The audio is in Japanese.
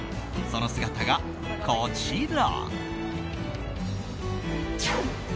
その姿が、こちら。